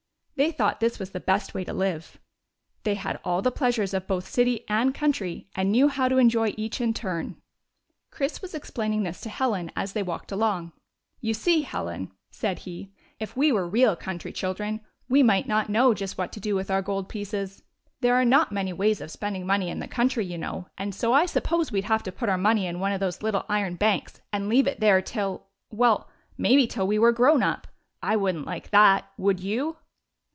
They thought this was the best way to live. They had all the pleasures of both city and country, and knew how to enjoy each in turn. 39 GYPSY, THE TALKING DOG Chris was explaining this to Helen as they walked along. " You see, Helen," said he, " if we were real country children, we might not know just what to do with our goldpieces. There are not many ways of spending money in the country, you know, and so I suppose we 'd have to put our money in one of those little iron hanks and leave it there till — well, maybe till we were grown up. I would n't like that. Would you